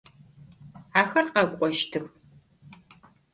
Axer khek'oştıx.